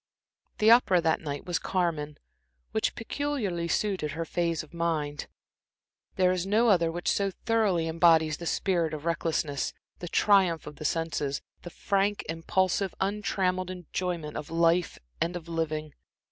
The opera that night was Carmen, which peculiarly suited her phase of mind. There is no other which so thoroughly embodies the spirit of recklessness, the triumph of the senses, the frank, impulsive, untrammeled enjoyment of life and of living.